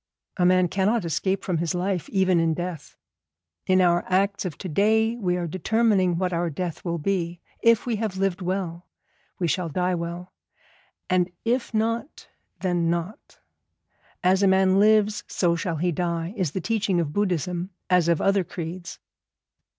A man cannot escape from his life even in death. In our acts of to day we are determining what our death will be; if we have lived well, we shall die well; and if not, then not. As a man lives so shall he die, is the teaching of Buddhism as of other creeds.